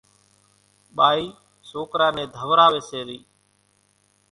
ٻائِي سوڪرا نين ڌوراويَ سي رئِي۔